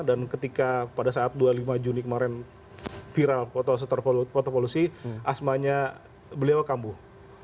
dan ketika pada saat dua puluh lima juni kemarin viral atau terpolusi asmanya beliau kambuh